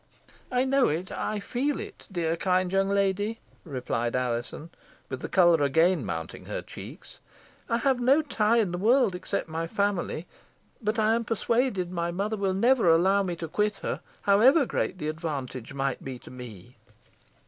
"I know it I feel it, dear, kind young lady," replied Alizon, with the colour again mounting her cheeks. "I have no tie in the world except my family. But I am persuaded my mother will never allow me to quit her, however great the advantage might be to me."